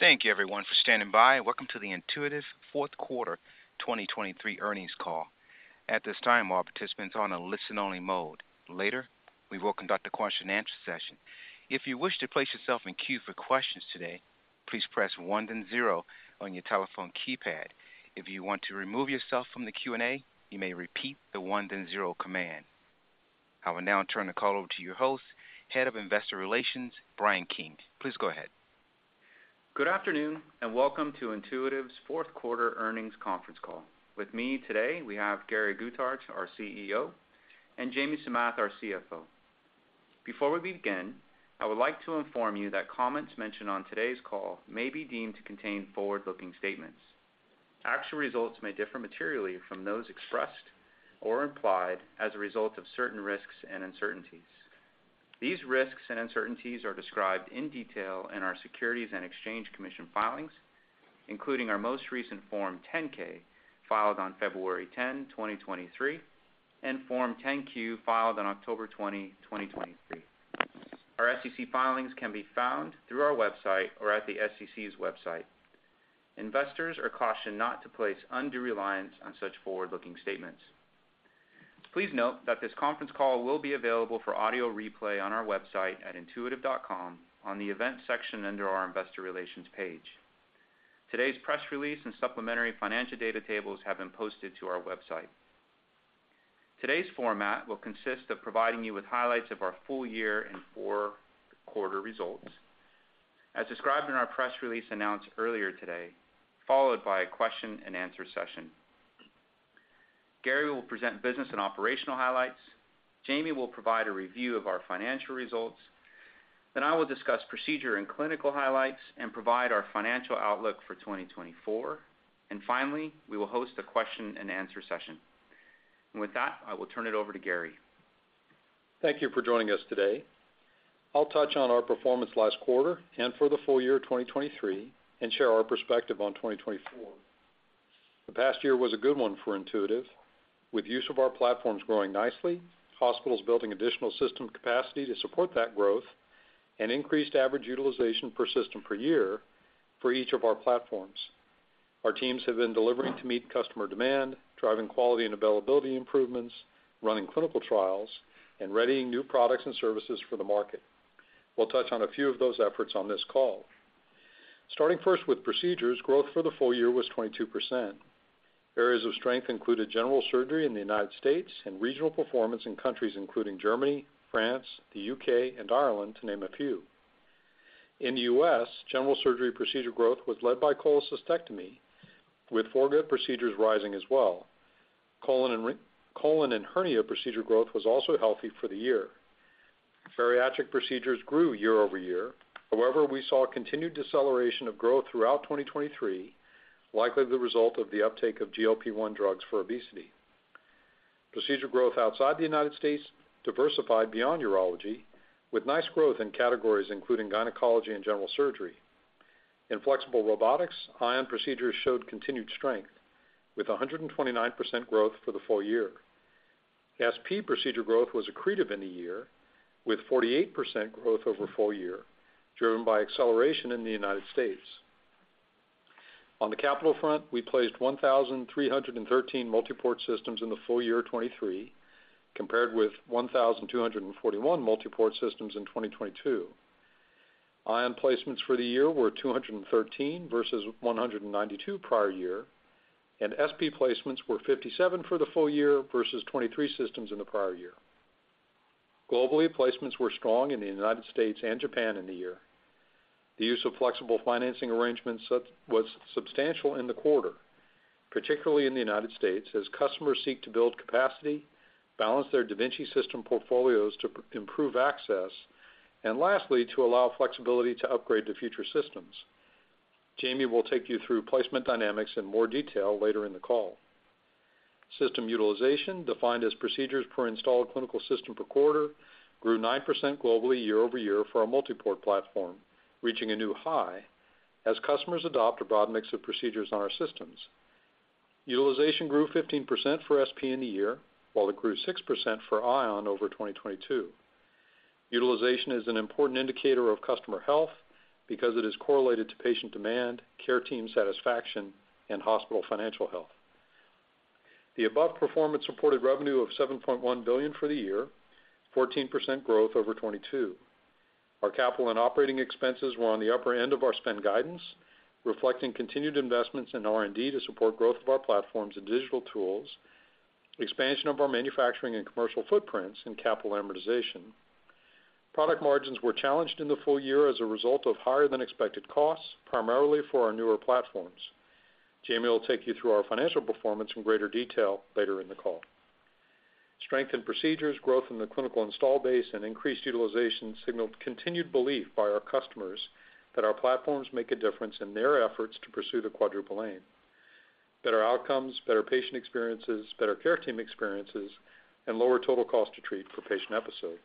Thank you everyone for standing by, and welcome to the Intuitive Fourth Quarter 2023 earnings call. At this time, all participants on a listen-only mode. Later, we will conduct a question-and-answer session. If you wish to place yourself in queue for questions today, please press one then zero on your telephone keypad. If you want to remove yourself from the Q&A, you may repeat the one then zero command. I will now turn the call over to your host, Head of Investor Relations, Brian King. Please go ahead. Good afternoon, and welcome to Intuitive's fourth quarter earnings conference call. With me today, we have Gary Guthart, our CEO, and Jamie Samath, our CFO. Before we begin, I would like to inform you that comments mentioned on today's call may be deemed to contain forward-looking statements. Actual results may differ materially from those expressed or implied as a result of certain risks and uncertainties. These risks and uncertainties are described in detail in our Securities and Exchange Commission filings, including our most recent Form 10-K, filed on February 10, 2023, and Form 10-Q, filed on October 20, 2023. Our SEC filings can be found through our website or at the SEC's website. Investors are cautioned not to place undue reliance on such forward-looking statements. Please note that this conference call will be available for audio replay on our website at intuitive.com on the Events section under our Investor Relations page. Today's press release and supplementary financial data tables have been posted to our website. Today's format will consist of providing you with highlights of our full year and fourth quarter results, as described in our press release announced earlier today, followed by a question-and-answer session. Gary will present business and operational highlights. Jamie will provide a review of our financial results. Then I will discuss procedure and clinical highlights and provide our financial outlook for 2024. And finally, we will host a question-and-answer session. And with that, I will turn it over to Gary. Thank you for joining us today. I'll touch on our performance last quarter and for the full year of 2023 and share our perspective on 2024. The past year was a good one for Intuitive, with use of our platforms growing nicely, hospitals building additional system capacity to support that growth, and increased average utilization per system per year for each of our platforms. Our teams have been delivering to meet customer demand, driving quality and availability improvements, running clinical trials, and readying new products and services for the market. We'll touch on a few of those efforts on this call. Starting first with procedures, growth for the full year was 22%. Areas of strength included general surgery in the United States and regional performance in countries including Germany, France, the U.K., and Ireland, to name a few. In the U.S., general surgery procedure growth was led by cholecystectomy, with foregut procedures rising as well. Colorectal and hernia procedure growth was also healthy for the year. Bariatric procedures grew year-over-year. However, we saw a continued deceleration of growth throughout 2023, likely the result of the uptake of GLP-1 drugs for obesity. Procedure growth outside the United States diversified beyond urology, with nice growth in categories including gynecology and general surgery. In flexible robotics, Ion procedures showed continued strength, with 129% growth for the full year. SP procedure growth was accretive in the year, with 48% growth over full year, driven by acceleration in the United States. On the capital front, we placed 1,313 multi-port systems in the full year of 2023, compared with 1,241 multi-port systems in 2022. Ion placements for the year were 213 versus 192 prior year, and SP placements were 57 for the full year versus 23 systems in the prior year. Globally, placements were strong in the United States and Japan in the year. The use of flexible financing arrangements was substantial in the quarter, particularly in the United States, as customers seek to build capacity, balance their da Vinci system portfolios to improve access, and lastly, to allow flexibility to upgrade to future systems. Jamie will take you through placement dynamics in more detail later in the call. System utilization, defined as procedures per installed clinical system per quarter, grew 9% globally year-over-year for our multi-port platform, reaching a new high as customers adopt a broad mix of procedures on our systems. Utilization grew 15% for SP in the year, while it grew 6% for Ion over 2022. Utilization is an important indicator of customer health because it is correlated to patient demand, care team satisfaction, and hospital financial health. The above performance supported revenue of $7.1 billion for the year, 14% growth over 2022. Our capital and operating expenses were on the upper end of our spend guidance, reflecting continued investments in R&D to support growth of our platforms and digital tools, expansion of our manufacturing and commercial footprints, and capital amortization. Product margins were challenged in the full year as a result of higher-than-expected costs, primarily for our newer platforms. Jamie will take you through our financial performance in greater detail later in the call. Strength in procedures, growth in the clinical installed base, and increased utilization signaled continued belief by our customers that our platforms make a difference in their efforts to pursue the Quadruple Aim: better outcomes, better patient experiences, better care team experiences, and lower total cost to treat per patient episode.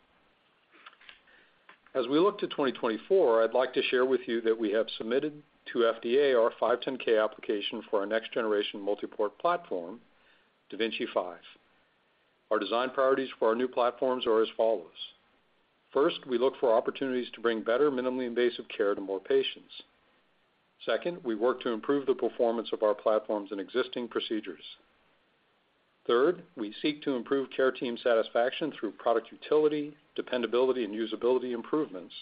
As we look to 2024, I'd like to share with you that we have submitted to FDA our 510(k) application for our next generation multi-port platform, da Vinci 5. Our design priorities for our new platforms are as follows: First, we look for opportunities to bring better, minimally invasive care to more patients. Second, we work to improve the performance of our platforms and existing procedures. Third, we seek to improve care team satisfaction through product utility, dependability, and usability improvements.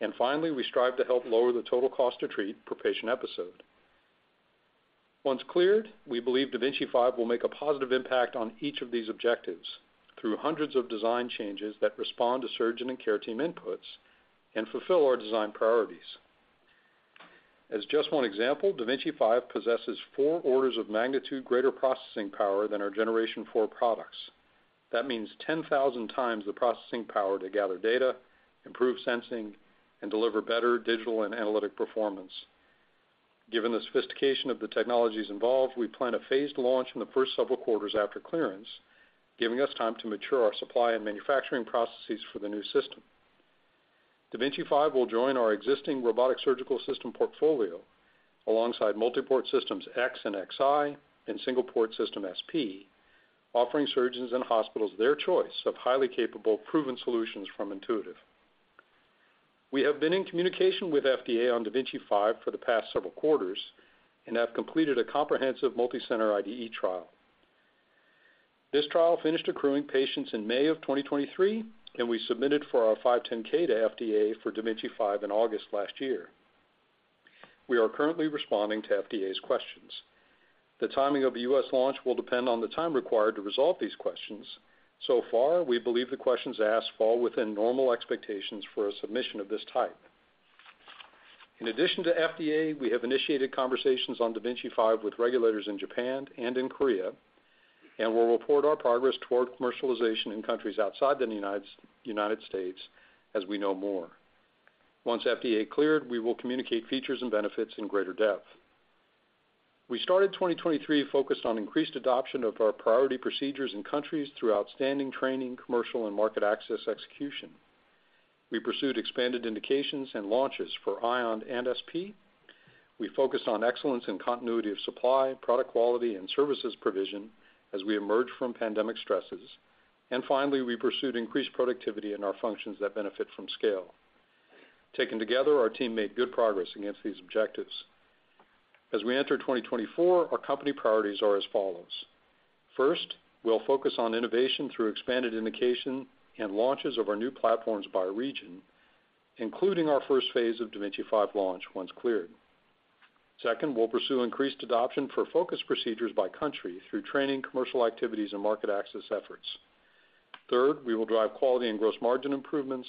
And finally, we strive to help lower the total cost to treat per patient episode. Once cleared, we believe da Vinci 5 will make a positive impact on each of these objectives through hundreds of design changes that respond to surgeon and care team inputs and fulfill our design priorities. As just one example, da Vinci 5 possesses four orders of magnitude greater processing power than our Generation four products. That means 10,000 times the processing power to gather data, improve sensing, and deliver better digital and analytic performance. Given the sophistication of the technologies involved, we plan a phased launch in the first several quarters after clearance, giving us time to mature our supply and manufacturing processes for the new system. da Vinci 5 will join our existing robotic surgical system portfolio alongside Multiport Systems X and Xi, and Single Port System SP, offering surgeons and hospitals their choice of highly capable, proven solutions from Intuitive. We have been in communication with FDA on da Vinci 5 for the past several quarters and have completed a comprehensive multicenter IDE trial. This trial finished accruing patients in May of 2023, and we submitted for our 510(k) to FDA for da Vinci 5 in August last year. We are currently responding to FDA's questions. The timing of the U.S. launch will depend on the time required to resolve these questions. So far, we believe the questions asked fall within normal expectations for a submission of this type. In addition to FDA, we have initiated conversations on da Vinci 5 with regulators in Japan and in Korea, and we'll report our progress toward commercialization in countries outside the United States as we know more. Once FDA cleared, we will communicate features and benefits in greater depth. We started 2023 focused on increased adoption of our priority procedures in countries through outstanding training, commercial and market access execution. We pursued expanded indications and launches for Ion and SP. We focused on excellence in continuity of supply, product quality, and services provision as we emerge from pandemic stresses. And finally, we pursued increased productivity in our functions that benefit from scale. Taken together, our team made good progress against these objectives. As we enter 2024, our company priorities are as follows: First, we'll focus on innovation through expanded indication and launches of our new platforms by region, including our first phase of da Vinci 5 launch, once cleared. Second, we'll pursue increased adoption for focus procedures by country through training, commercial activities, and market access efforts. Third, we will drive quality and gross margin improvements.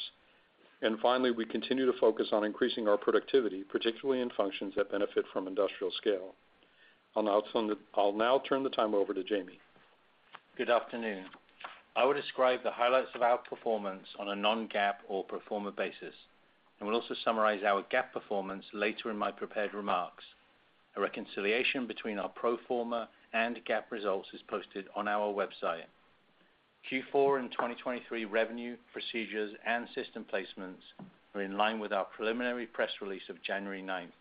And finally, we continue to focus on increasing our productivity, particularly in functions that benefit from industrial scale. I'll now turn the time over to Jamie. Good afternoon. I will describe the highlights of our performance on a non-GAAP or pro forma basis, and will also summarize our GAAP performance later in my prepared remarks. A reconciliation between our pro forma and GAAP results is posted on our website. Q4 and 2023 revenue, procedures, and system placements are in line with our preliminary press release of January ninth.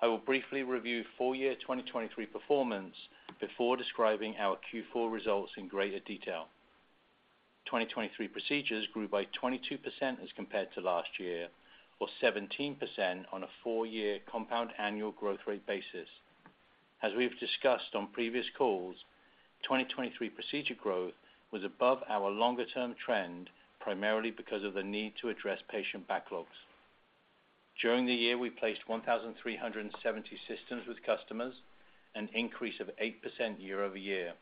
I will briefly review full year 2023 performance before describing our Q4 results in greater detail. 2023 procedures grew by 22% as compared to last year, or 17% on a four-year compound annual growth rate basis. As we've discussed on previous calls, 2023 procedure growth was above our longer-term trend, primarily because of the need to address patient backlogs. During the year, we placed 1,370 systems with customers, an increase of 8% year-over-year.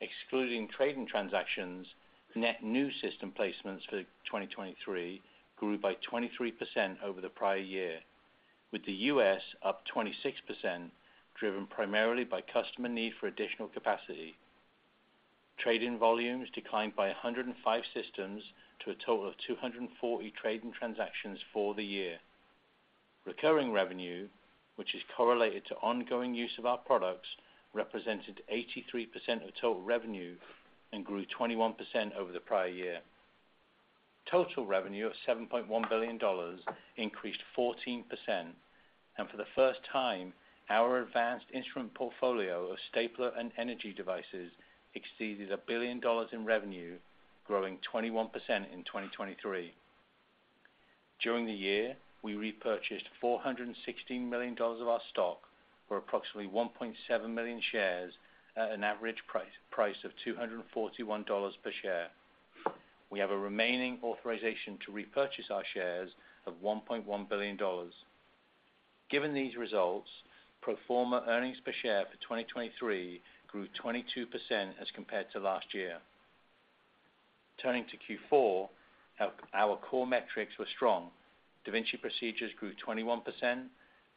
Excluding trade-in transactions, net new system placements for 2023 grew by 23% over the prior year, with the U.S. up 26%, driven primarily by customer need for additional capacity. Trade-in volumes declined by 105 systems to a total of 240 trade-in transactions for the year. Recurring revenue, which is correlated to ongoing use of our products, represented 83% of total revenue and grew 21% over the prior year. Total revenue of $7.1 billion increased 14%, and for the first time, our advanced instrument portfolio of stapler and energy devices exceeded $1 billion in revenue, growing 21% in 2023. During the year, we repurchased $416 million of our stock for approximately 1.7 million shares at an average price of $241 per share. We have a remaining authorization to repurchase our shares of $1.1 billion. Given these results, pro forma earnings per share for 2023 grew 22% as compared to last year. Turning to Q4, our core metrics were strong. da Vinci procedures grew 21%,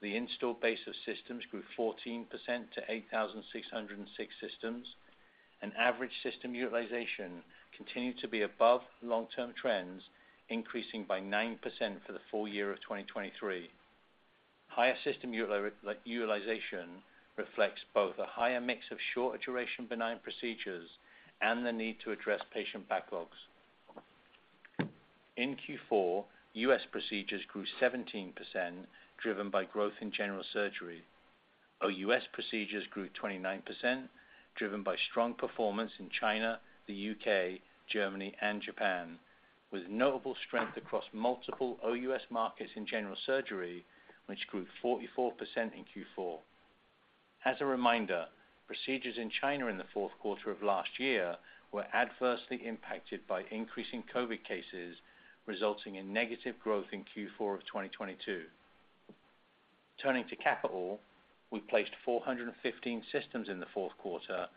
the installed base of systems grew 14% to 8,606 systems, and average system utilization continued to be above long-term trends, increasing by 9% for the full year of 2023. Higher system utilization reflects both a higher mix of shorter duration benign procedures and the need to address patient backlogs. In Q4, U.S. procedures grew 17%, driven by growth in general surgery. OUS procedures grew 29%, driven by strong performance in China, the U.K., Germany, and Japan, with notable strength across multiple OUS markets in general surgery, which grew 44% in Q4. As a reminder, procedures in China in the fourth quarter of last year were adversely impacted by increasing COVID cases, resulting in negative growth in Q4 of 2022. Turning to capital, we placed 415 systems in the fourth quarter,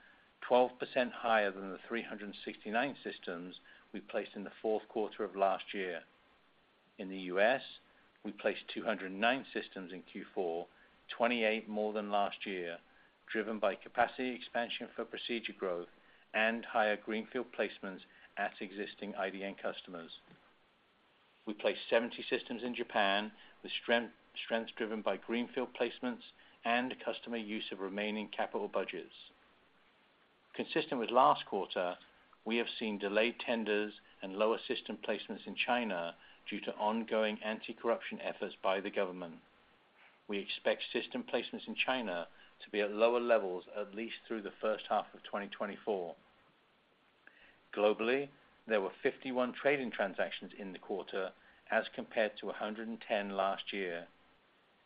12% higher than the 369 systems we placed in the fourth quarter of last year. In the U.S., we placed 209 systems in Q4, 28 more than last year, driven by capacity expansion for procedure growth and higher greenfield placements at existing IDN customers. We placed 70 systems in Japan, with strengths driven by greenfield placements and customer use of remaining capital budgets. Consistent with last quarter, we have seen delayed tenders and lower system placements in China due to ongoing anti-corruption efforts by the government. We expect system placements in China to be at lower levels at least through the first half of 2024. Globally, there were 51 trade-in transactions in the quarter, as compared to 110 last year.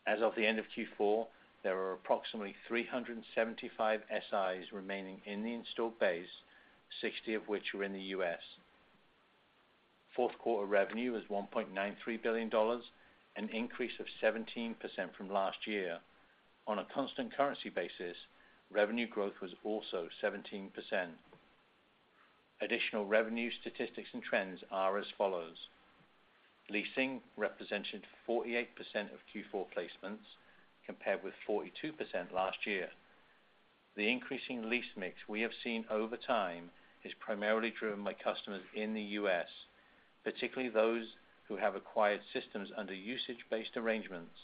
As of the end of Q4, there were approximately 375 Si remaining in the installed base, 60 of which were in the U.S. Fourth quarter revenue was $1.93 billion, an increase of 17% from last year. On a constant currency basis, revenue growth was also 17%. Additional revenue statistics and trends are as follows: leasing represented 48% of Q4 placements, compared with 42% last year. The increasing lease mix we have seen over time is primarily driven by customers in the U.S., particularly those who have acquired systems under usage-based arrangements.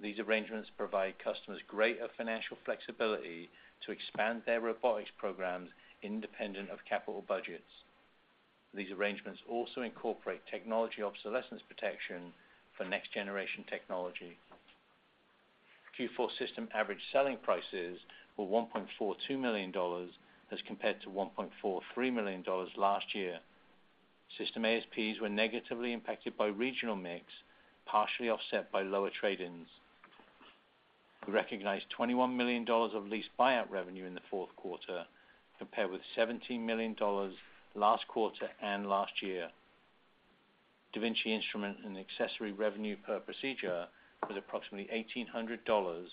These arrangements provide customers greater financial flexibility to expand their robotics programs independent of capital budgets. These arrangements also incorporate technology obsolescence protection for next-generation technology. Q4 system average selling prices were $1.42 million, as compared to $1.43 million last year. System ASPs were negatively impacted by regional mix, partially offset by lower trade-ins. We recognized $21 million of lease buyout revenue in the fourth quarter, compared with $17 million last quarter and last year. da Vinci instrument and accessory revenue per procedure was approximately $1,800,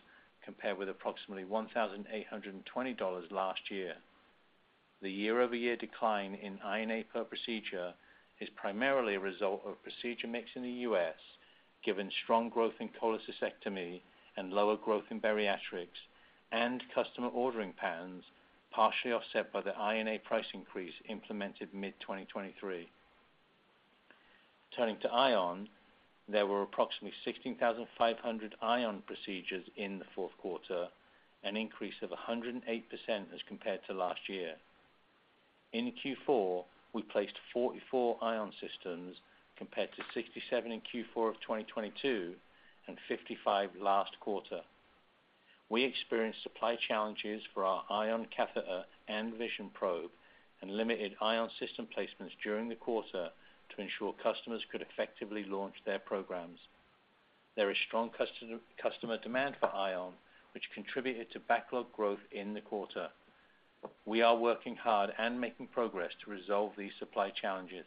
compared with approximately $1,820 last year. The year-over-year decline in I&A per procedure is primarily a result of procedure mix in the U.S., given strong growth in cholecystectomy and lower growth in bariatrics, and customer ordering patterns, partially offset by the I&A price increase implemented mid-2023. Turning to Ion, there were approximately 16,500 Ion procedures in the fourth quarter, an increase of 108% as compared to last year. In Q4, we placed 44 Ion systems, compared to 67 in Q4 of 2022 and 55 last quarter. We experienced supply challenges for our Ion catheter and vision probe, and limited Ion system placements during the quarter to ensure customers could effectively launch their programs. There is strong customer demand for Ion, which contributed to backlog growth in the quarter. We are working hard and making progress to resolve these supply challenges.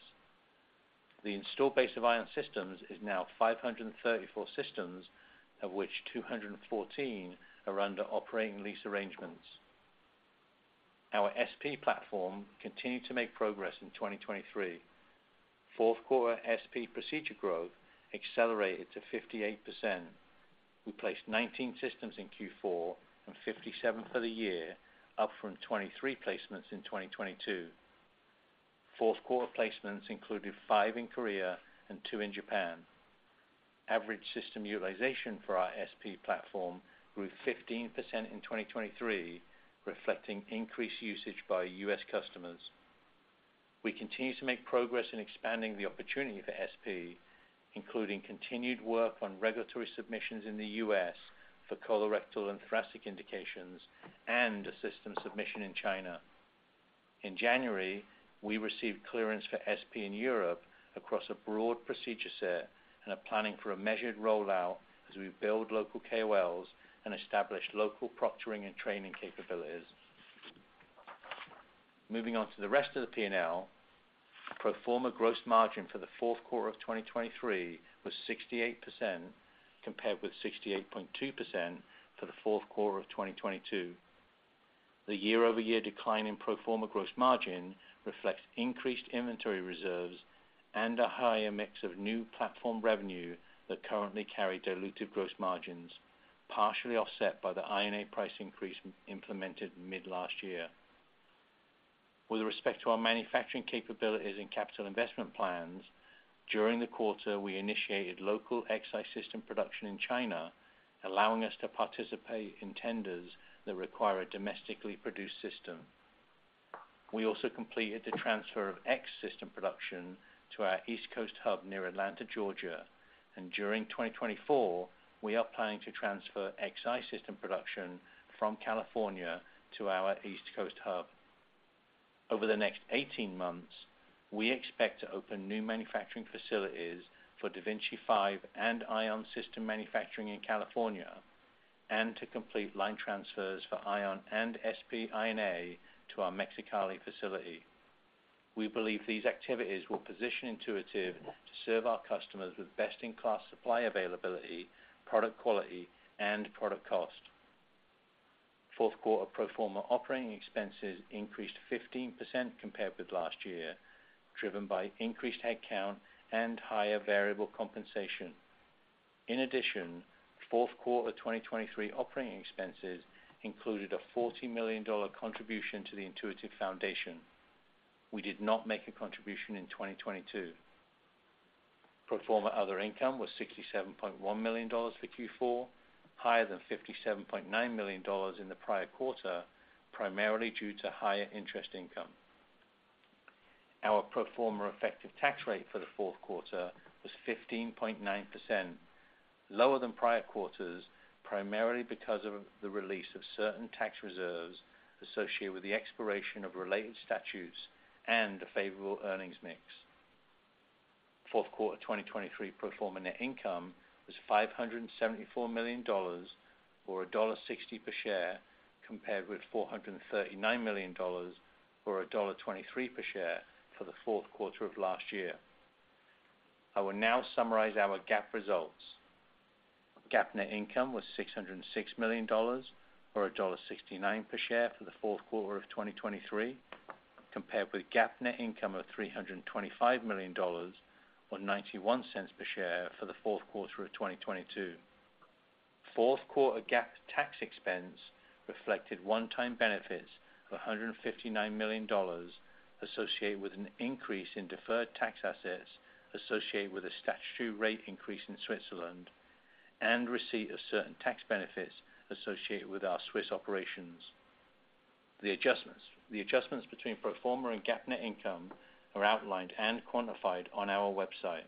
The installed base of Ion systems is now 534 systems, of which 214 are under operating lease arrangements. Our SP platform continued to make progress in 2023. Fourth quarter SP procedure growth accelerated to 58%. We placed 19 systems in Q4 and 57 for the year, up from 23 placements in 2022. Fourth quarter placements included five in Korea and two in Japan. Average system utilization for our SP platform grew 15% in 2023, reflecting increased usage by U.S. customers. We continue to make progress in expanding the opportunity for SP, including continued work on regulatory submissions in the U.S. for colorectal and thoracic indications and a system submission in China. In January, we received clearance for SP in Europe across a broad procedure set and are planning for a measured rollout as we build local KOLs and establish local proctoring and training capabilities. Moving on to the rest of the P&L. Pro forma gross margin for the fourth quarter of 2023 was 68%, compared with 68.2% for the fourth quarter of 2022. The year-over-year decline in pro forma gross margin reflects increased inventory reserves and a higher mix of new platform revenue that currently carry dilutive gross margins, partially offset by the INA price increase implemented mid-last year. With respect to our manufacturing capabilities and capital investment plans, during the quarter, we initiated local Xi system production in China, allowing us to participate in tenders that require a domestically produced system. We also completed the transfer of X system production to our East Coast hub near Atlanta, Georgia. During 2024, we are planning to transfer Xi system production from California to our East Coast hub. Over the next 18 months, we expect to open new manufacturing facilities for da Vinci 5 and Ion system manufacturing in California, and to complete line transfers for Ion and SP to our Mexicali facility. We believe these activities will position Intuitive to serve our customers with best-in-class supply availability, product quality, and product cost. Fourth quarter pro forma operating expenses increased 15% compared with last year, driven by increased headcount and higher variable compensation. In addition, fourth quarter 2023 operating expenses included a $40 million contribution to the Intuitive Foundation. We did not make a contribution in 2022. Pro forma other income was $67.1 million for Q4, higher than $57.9 million in the prior quarter, primarily due to higher interest income. Our pro forma effective tax rate for the fourth quarter was 15.9%, lower than prior quarters, primarily because of the release of certain tax reserves associated with the expiration of related statutes and a favorable earnings mix. Fourth quarter 2023 pro forma net income was $574 million, or $1.60 per share, compared with $439 million, or $1.23 per share for the fourth quarter of last year. I will now summarize our GAAP results. GAAP net income was $606 million, or $1.69 per share for the fourth quarter of 2023, compared with GAAP net income of $325 million, or $0.91 per share for the fourth quarter of 2022. Fourth quarter GAAP tax expense reflected one-time benefits of $159 million, associated with an increase in deferred tax assets, associated with a statutory rate increase in Switzerland, and receipt of certain tax benefits associated with our Swiss operations. The adjustments. The adjustments between pro forma and GAAP net income are outlined and quantified on our website.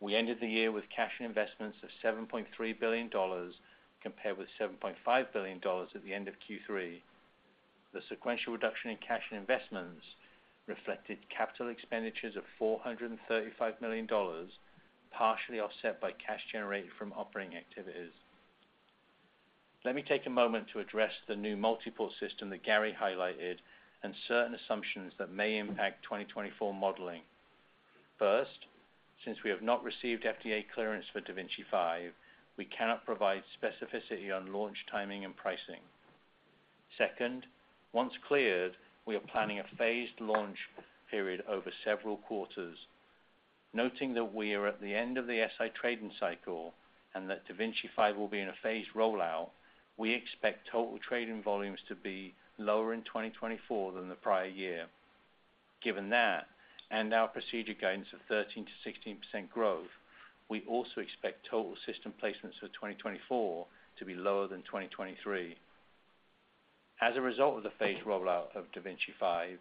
We ended the year with cash and investments of $7.3 billion, compared with $7.5 billion at the end of Q3. The sequential reduction in cash and investments reflected capital expenditures of $435 million, partially offset by cash generated from operating activities. Let me take a moment to address the new multiple system that Gary highlighted and certain assumptions that may impact 2024 modeling. First, since we have not received FDA clearance for da Vinci 5, we cannot provide specificity on launch timing and pricing. Second, once cleared, we are planning a phased launch period over several quarters. Noting that we are at the end of the Si trading cycle and that da Vinci 5 will be in a phased rollout, we expect total trade-in volumes to be lower in 2024 than the prior year. Given that, and our procedure guidance of 13%-16% growth, we also expect total system placements for 2024 to be lower than 2023. As a result of the phased rollout of da Vinci 5,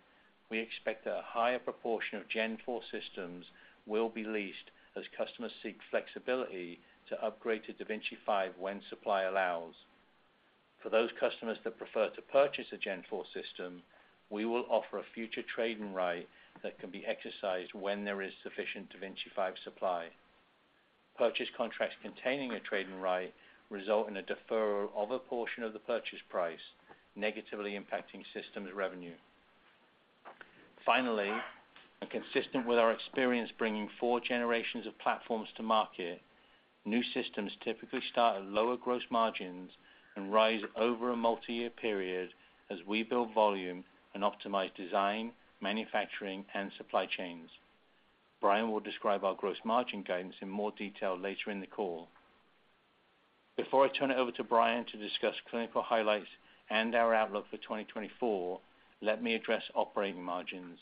we expect that a higher proportion of Gen4 systems will be leased as customers seek flexibility to upgrade to da Vinci 5 when supply allows. For those customers that prefer to purchase a 4th-gen system, we will offer a future trade-in right that can be exercised when there is sufficient da Vinci 5 supply. Purchase contracts containing a trade-in right result in a deferral of a portion of the purchase price, negatively impacting systems revenue. Finally, and consistent with our experience bringing 4th-gen of platforms to market, new systems typically start at lower gross margins and rise over a multi-year period as we build volume and optimize design, manufacturing, and supply chains. Brian will describe our gross margin guidance in more detail later in the call. Before I turn it over to Brian to discuss clinical highlights and our outlook for 2024, let me address operating margins.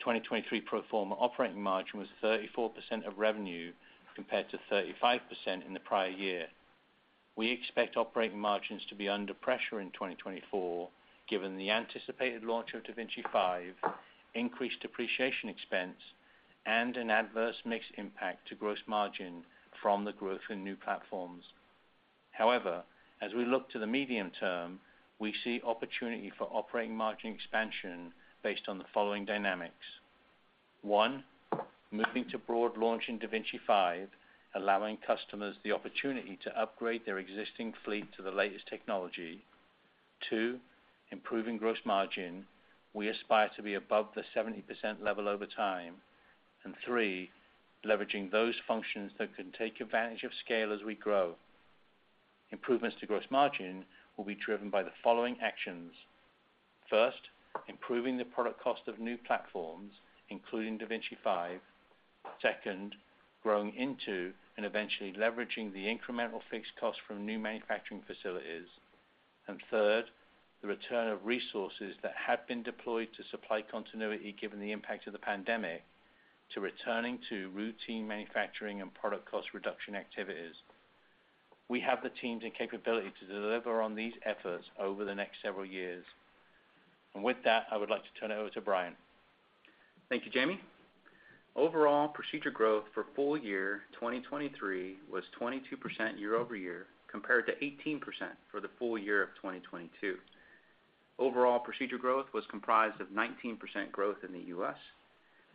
2023 pro forma operating margin was 34% of revenue, compared to 35% in the prior year. We expect operating margins to be under pressure in 2024, given the anticipated launch of da Vinci 5, increased depreciation expense, and an adverse mix impact to gross margin from the growth in new platforms. However, as we look to the medium term, we see opportunity for operating margin expansion based on the following dynamics. One, moving to broad launch in da Vinci 5, allowing customers the opportunity to upgrade their existing fleet to the latest technology. Two, improving gross margin. We aspire to be above the 70% level over time. And three, leveraging those functions that can take advantage of scale as we grow. Improvements to gross margin will be driven by the following actions: First, improving the product cost of new platforms, including da Vinci 5. Second, growing into and eventually leveraging the incremental fixed costs from new manufacturing facilities. And third, the return of resources that have been deployed to supply continuity, given the impact of the pandemic, to returning to routine manufacturing and product cost reduction activities. We have the teams and capability to deliver on these efforts over the next several years. With that, I would like to turn it over to Brian. Thank you, Jamie. Overall, procedure growth for full year 2023 was 22% year-over-year, compared to 18% for the full year of 2022. Overall procedure growth was comprised of 19% growth in the U.S.,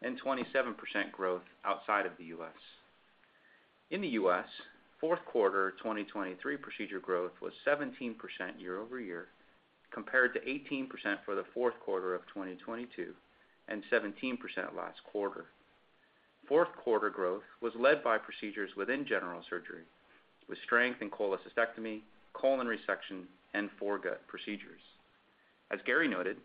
and 27% growth outside of the U.S. In the U.S., fourth quarter 2023 procedure growth was 17% year-over-year, compared to 18% for the fourth quarter of 2022, and 17% last quarter. Fourth quarter growth was led by procedures within general surgery, with strength in cholecystectomy, colon resection, and foregut procedures. As Gary noted,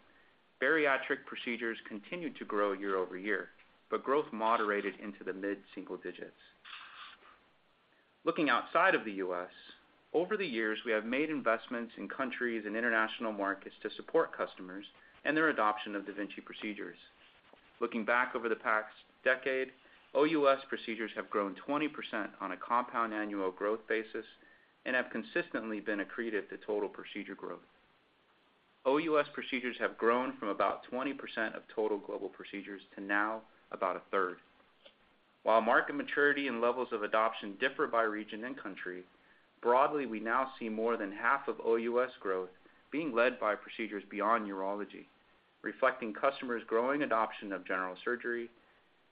bariatric procedures continued to grow year-over-year, but growth moderated into the mid-single digits. Looking outside of the U.S., over the years, we have made investments in countries and international markets to support customers and their adoption of da Vinci procedures. Looking back over the past decade, OUS procedures have grown 20% on a compound annual growth basis and have consistently been accretive to total procedure growth. OUS procedures have grown from about 20% of total global procedures to now about a third. While market maturity and levels of adoption differ by region and country, broadly, we now see more than half of OUS growth being led by procedures beyond urology, reflecting customers' growing adoption of general surgery,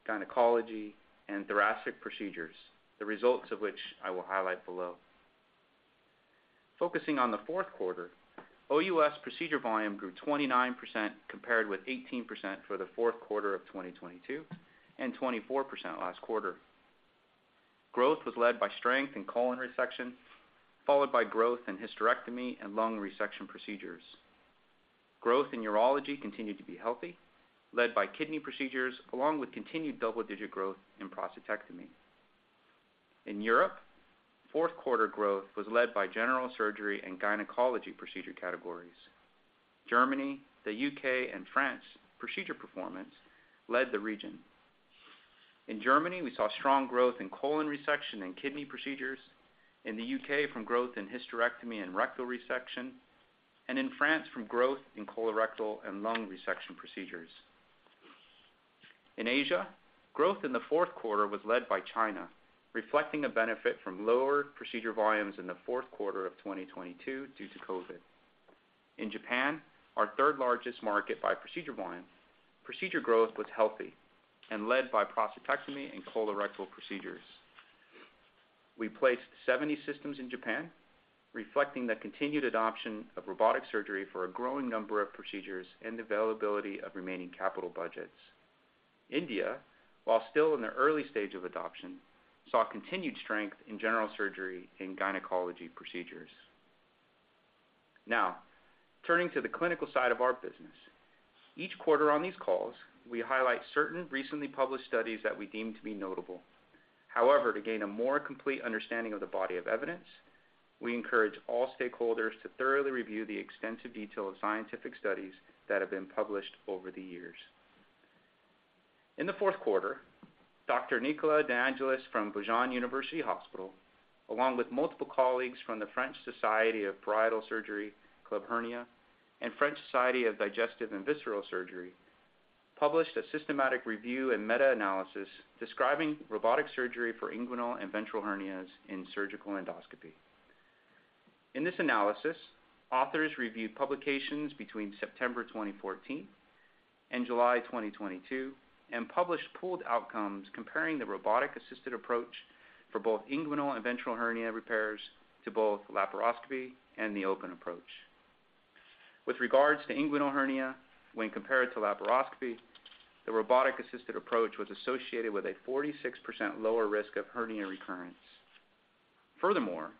gynecology, and thoracic procedures, the results of which I will highlight below. Focusing on the fourth quarter, OUS procedure volume grew 29%, compared with 18% for the fourth quarter of 2022, and 24% last quarter. Growth was led by strength in colon resection, followed by growth in hysterectomy and lung resection procedures. Growth in urology continued to be healthy, led by kidney procedures, along with continued double-digit growth in prostatectomy. In Europe, fourth quarter growth was led by general surgery and gynecology procedure categories. Germany, the U.K., and France procedure performance led the region. In Germany, we saw strong growth in colon resection and kidney procedures. In the U.K., from growth in hysterectomy and rectal resection, and in France from growth in colorectal and lung resection procedures. In Asia, growth in the fourth quarter was led by China, reflecting a benefit from lower procedure volumes in the fourth quarter of 2022 due to COVID. In Japan, our third largest market by procedure volume, procedure growth was healthy and led by prostatectomy and colorectal procedures. We placed 70 systems in Japan, reflecting the continued adoption of robotic surgery for a growing number of procedures and availability of remaining capital budgets. India, while still in the early stage of adoption, saw continued strength in general surgery and gynecology procedures. Now, turning to the clinical side of our business. Each quarter on these calls, we highlight certain recently published studies that we deem to be notable. However, to gain a more complete understanding of the body of evidence, we encourage all stakeholders to thoroughly review the extensive detail of scientific studies that have been published over the years. In the fourth quarter, Dr. Nicola de'Angelis from Beaujon University Hospital, along with multiple colleagues from the French Society of Parietal Surgery, Club Hernia, and French Society of Digestive and Visceral Surgery, published a systematic review and meta-analysis describing robotic surgery for inguinal and ventral hernias in Surgical Endoscopy. In this analysis, authors reviewed publications between September 2014 and July 2022, and published pooled outcomes comparing the robotic-assisted approach for both inguinal and ventral hernia repairs to both laparoscopy and the open approach. With regards to inguinal hernia, when compared to laparoscopy, the robotic-assisted approach was associated with a 46% lower risk of hernia recurrence. Furthermore,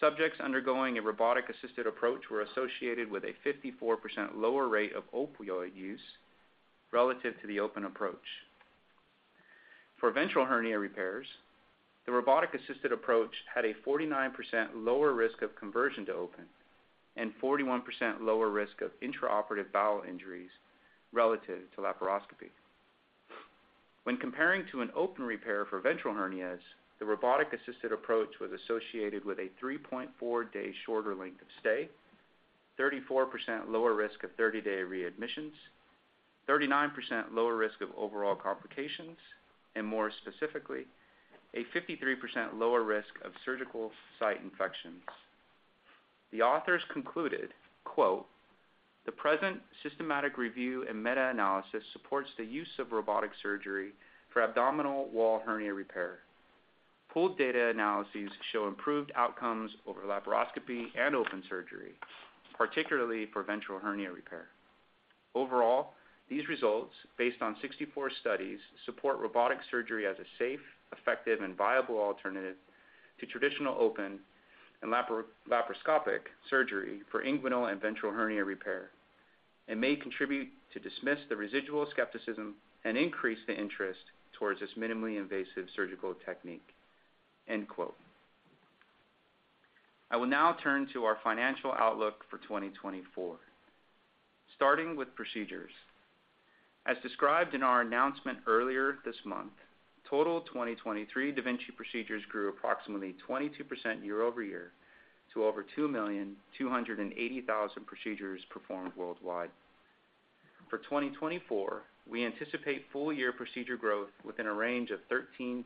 subjects undergoing a robotic-assisted approach were associated with a 54% lower rate of opioid use relative to the open approach. For ventral hernia repairs, the robotic-assisted approach had a 49% lower risk of conversion to open, and 41% lower risk of intraoperative bowel injuries relative to laparoscopy. When comparing to an open repair for ventral hernias, the robotic-assisted approach was associated with a 3.4-day shorter length of stay, 34% lower risk of 30-day readmissions, 39% lower risk of overall complications, and more specifically, a 53% lower risk of surgical site infections. The authors concluded, quote, "The present systematic review and meta-analysis supports the use of robotic surgery for abdominal wall hernia repair. Pooled data analyses show improved outcomes over laparoscopy and open surgery, particularly for ventral hernia repair. Overall, these results, based on 64 studies, support robotic surgery as a safe, effective, and viable alternative to traditional open and laparoscopic surgery for inguinal and ventral hernia repair, and may contribute to dismiss the residual skepticism and increase the interest towards this minimally invasive surgical technique." End quote. I will now turn to our financial outlook for 2024... starting with procedures. As described in our announcement earlier this month, total 2023 da Vinci procedures grew approximately 22% year-over-year to over 2,280,000 procedures performed worldwide. For 2024, we anticipate full year procedure growth within a range of 13%-16%.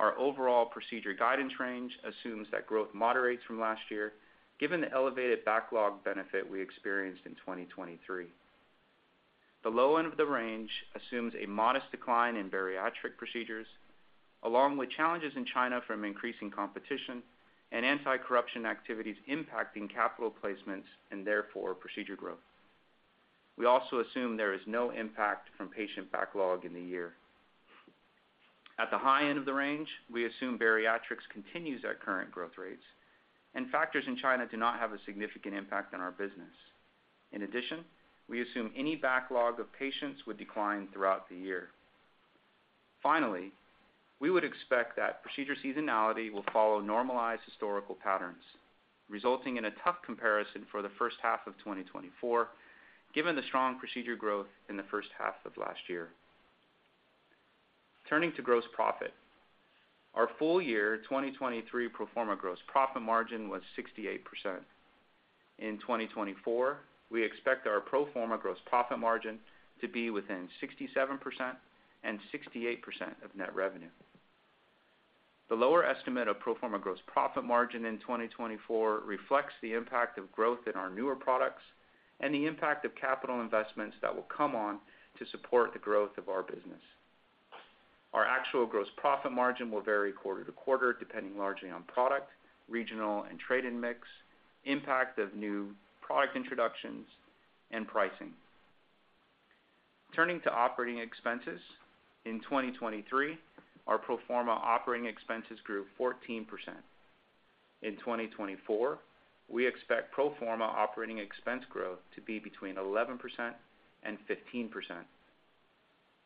Our overall procedure guidance range assumes that growth moderates from last year, given the elevated backlog benefit we experienced in 2023. The low end of the range assumes a modest decline in bariatric procedures, along with challenges in China from increasing competition and anti-corruption activities impacting capital placements and therefore procedure growth. We also assume there is no impact from patient backlog in the year. At the high end of the range, we assume bariatrics continues our current growth rates, and factors in China do not have a significant impact on our business. In addition, we assume any backlog of patients would decline throughout the year. Finally, we would expect that procedure seasonality will follow normalized historical patterns, resulting in a tough comparison for the first half of 2024, given the strong procedure growth in the first half of last year. Turning to gross profit. Our full year 2023 pro forma gross profit margin was 68%. In 2024, we expect our pro forma gross profit margin to be within 67% and 68% of net revenue. The lower estimate of pro forma gross profit margin in 2024 reflects the impact of growth in our newer products and the impact of capital investments that will come on to support the growth of our business. Our actual gross profit margin will vary quarter to quarter, depending largely on product, regional and trade-in mix, impact of new product introductions, and pricing. Turning to operating expenses. In 2023, our pro forma operating expenses grew 14%. In 2024, we expect pro forma operating expense growth to be between 11% and 15%.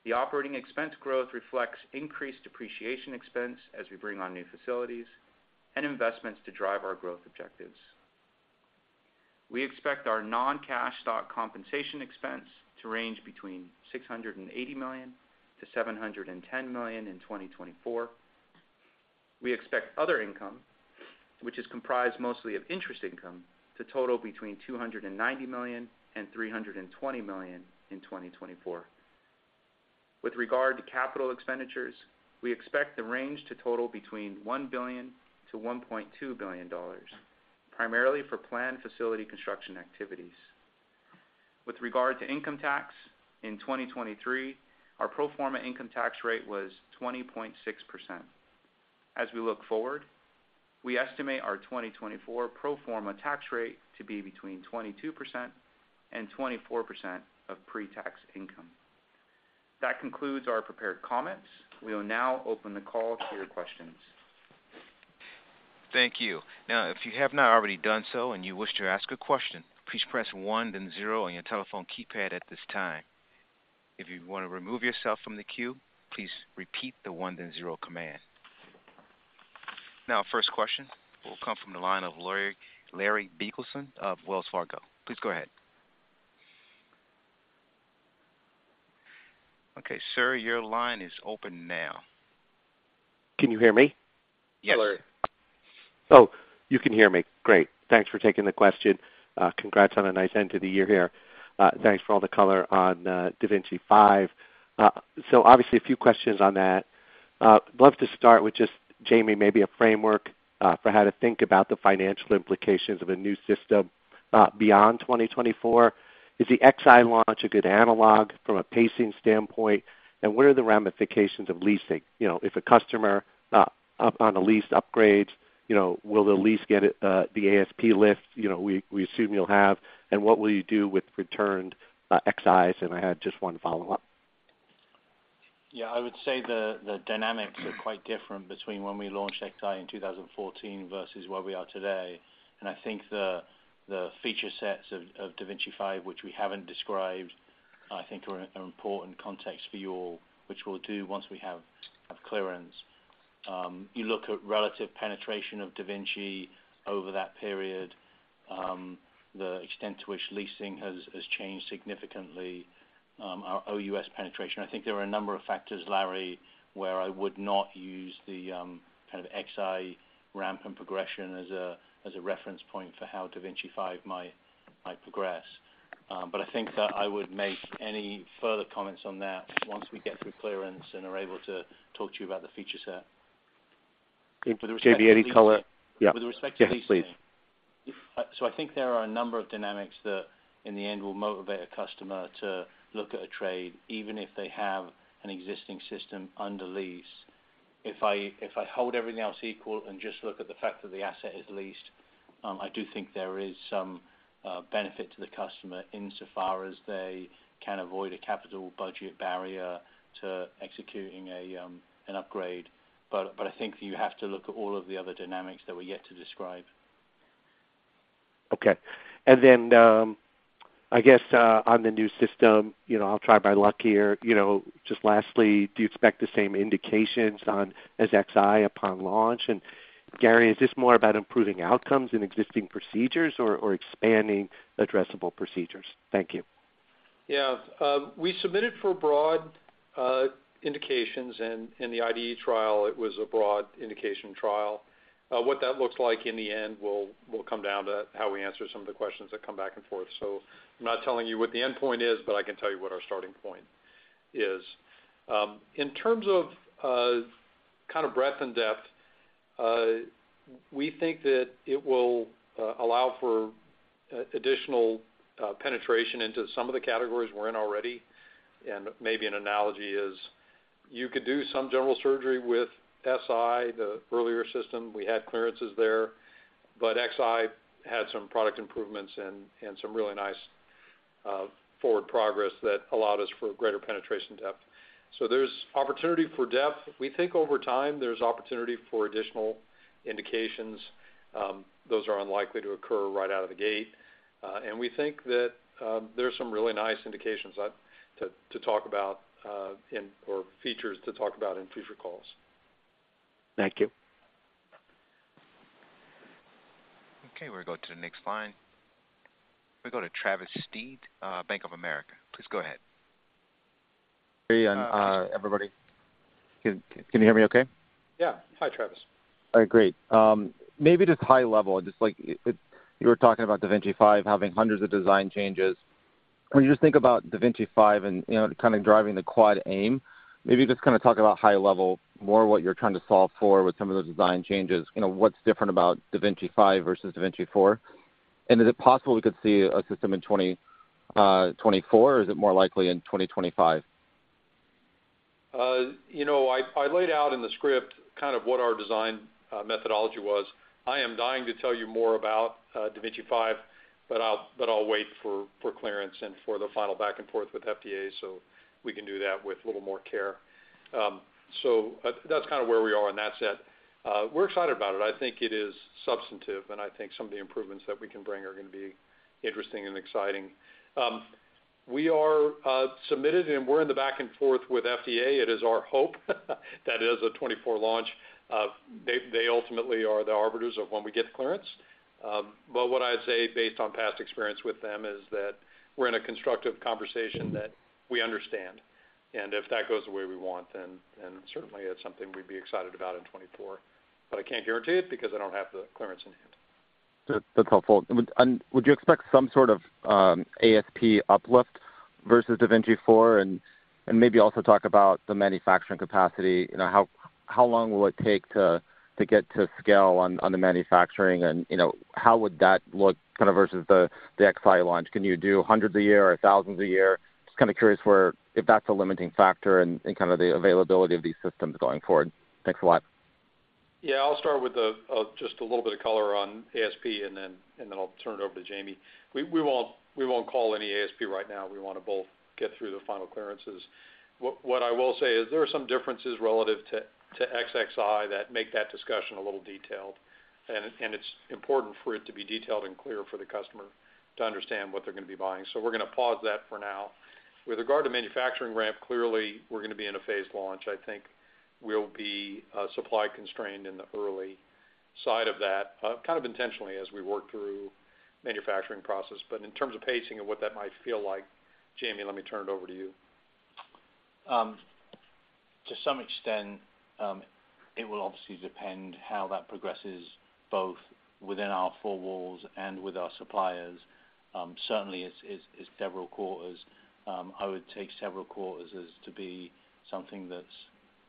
The operating expense growth reflects increased depreciation expense as we bring on new facilities and investments to drive our growth objectives. We expect our non-cash stock compensation expense to range between $680 million to $710 million in 2024. We expect other income, which is comprised mostly of interest income, to total between $290 million and $320 million in 2024. With regard to capital expenditures, we expect the range to total between $1 billion-$1.2 billion, primarily for planned facility construction activities. With regard to income tax, in 2023, our pro forma income tax rate was 20.6%. As we look forward, we estimate our 2024 pro forma tax rate to be between 22%-24% of pre-tax income. That concludes our prepared comments. We will now open the call to your questions. Thank you. Now, if you have not already done so and you wish to ask a question, please press one then zero on your telephone keypad at this time. If you want to remove yourself from the queue, please repeat the one then zero command. Now, first question will come from the line of Larry, Larry Biegelsen of Wells Fargo. Please go ahead. Okay, sir, your line is open now. Can you hear me? Yes. Hello. Oh, you can hear me. Great. Thanks for taking the question. Congrats on a nice end to the year here. Thanks for all the color on da Vinci 5. So obviously, a few questions on that. Love to start with just, Jamie, maybe a framework for how to think about the financial implications of a new system beyond 2024. Is the Xi launch a good analog from a pacing standpoint? And what are the ramifications of leasing? You know, if a customer up on a lease upgrades, you know, will the lease get it the ASP lift, you know, we assume you'll have? And what will you do with returned Xis? And I had just one follow-up. Yeah, I would say the dynamics are quite different between when we launched Xi in 2014 versus where we are today. And I think the feature sets of da Vinci 5, which we haven't described, I think are an important context for you all, which we'll do once we have clearance. You look at relative penetration of da Vinci over that period, the extent to which leasing has changed significantly, our OUS penetration. I think there are a number of factors, Larry, where I would not use the kind of Xi ramp and progression as a reference point for how da Vinci 5 might progress. But I think that I would make any further comments on that once we get through clearance and are able to talk to you about the feature set. Jamie, any color? With respect to leasing- Yeah. Yes, please. So I think there are a number of dynamics that, in the end, will motivate a customer to look at a trade, even if they have an existing system under lease. If I hold everything else equal and just look at the fact that the asset is leased, I do think there is some benefit to the customer insofar as they can avoid a capital budget barrier to executing an upgrade. But I think you have to look at all of the other dynamics that we're yet to describe. Okay. And then, I guess, on the new system, you know, I'll try my luck here. You know, just lastly, do you expect the same indications on da Vinci Xi upon launch? And Gary, is this more about improving outcomes in existing procedures or, or expanding addressable procedures? Thank you. Yeah, we submitted for broad indications, and in the IDE trial, it was a broad indication trial. What that looks like in the end will, will come down to how we answer some of the questions that come back and forth. So I'm not telling you what the endpoint is, but I can tell you what our starting point is. In terms of kind of breadth and depth, we think that it will allow for additional penetration into some of the categories we're in already. And maybe an analogy is you could do some general surgery with SI, the earlier system. We had clearances there, but XI had some product improvements and some really nice forward progress that allowed us for greater penetration depth. So there's opportunity for depth. We think over time, there's opportunity for additional indications. Those are unlikely to occur right out of the gate. And we think that there are some really nice indications to talk about or features to talk about in future calls. Thank you. Okay, we're going to the next line. We go to Travis Steed, Bank of America. Please go ahead. Hey, everybody. Can you hear me okay? Yeah. Hi, Travis. All right, great. Maybe just high level, you were talking about da Vinci 5 having hundreds of design changes. When you just think about da Vinci 5 and, you know, kind of driving the quadruple aim, maybe just kind of talk about high level, more what you're trying to solve for with some of those design changes. You know, what's different about da Vinci 5 versus da Vinci 4? And is it possible we could see a system in 2024, or is it more likely in 2025? You know, I laid out in the script kind of what our design methodology was. I am dying to tell you more about da Vinci 5, but I'll wait for clearance and for the final back and forth with FDA, so we can do that with a little more care. So that's kind of where we are, and that's it. We're excited about it. I think it is substantive, and I think some of the improvements that we can bring are going to be interesting and exciting. We are submitted, and we're in the back and forth with FDA. It is our hope that it is a 2024 launch. They ultimately are the arbiters of when we get the clearance. But what I'd say based on past experience with them is that we're in a constructive conversation that we understand. And if that goes the way we want, then certainly it's something we'd be excited about in 2024. But I can't guarantee it because I don't have the clearance in hand. That's helpful. Would you expect some sort of ASP uplift versus da Vinci 4? And maybe also talk about the manufacturing capacity. You know, how long will it take to get to scale on the manufacturing? And, you know, how would that look kind of versus the Xi launch? Can you do hundreds a year or thousands a year? Just kind of curious where if that's a limiting factor in kind of the availability of these systems going forward. Thanks a lot. Yeah, I'll start with the just a little bit of color on ASP, and then, and then I'll turn it over to Jamie. We, we won't, we won't call any ASP right now. We want to both get through the final clearances. What, what I will say is there are some differences relative to, to Xi that make that discussion a little detailed, and it, and it's important for it to be detailed and clear for the customer to understand what they're going to be buying. So we're going to pause that for now. With regard to manufacturing ramp, clearly, we're going to be in a phased launch. I think we'll be supply constrained in the early side of that kind of intentionally as we work through manufacturing process. But in terms of pacing and what that might feel like, Jamie, let me turn it over to you. To some extent, it will obviously depend how that progresses, both within our four walls and with our suppliers. Certainly, it's several quarters. I would take several quarters as to be something that's